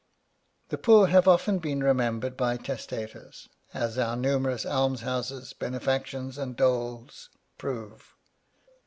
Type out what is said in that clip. The poor have been often remembered by testators, as our numerous almshouses, benefactions, and doles prove.